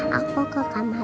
aku ke kamar mama cat ya